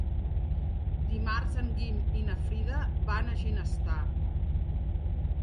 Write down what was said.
Dimarts en Guim i na Frida van a Ginestar.